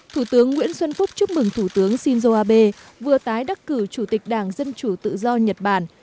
thủ tướng nguyễn xuân phúc chúc mừng thủ tướng shinzo abe vừa tái đắc cử chủ tịch đảng dân chủ tự do nhật bản